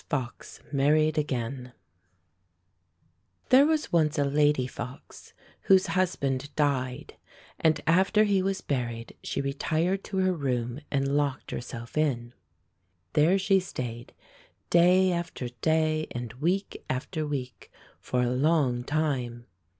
FOX MARRIED AGAIN T here was once a lady fox whose hus band died, and after he was buried she retired to her room and locked herself in. There she stayed day after day and week after week for a long time.